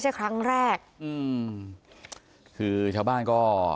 จากนั้นก็ไปดูจุดที่สี่ก็คือหลังห้องน้ำติดกับทุ่งนา